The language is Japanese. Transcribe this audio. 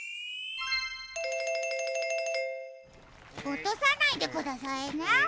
おとさないでくださいね。